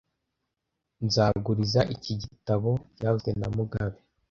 Nzaguriza iki gitabo byavuzwe na mugabe